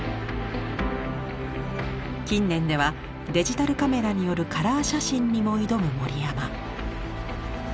近年ではデジタルカメラによるカラー写真にも挑む森山。